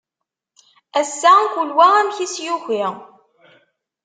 Ass-a kul wa amek i s-yuki.